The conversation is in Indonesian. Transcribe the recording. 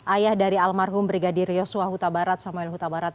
ayah dari almarhum brigadir yosua huta barat samuel huta barat